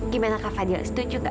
gimana kak fadil setuju gak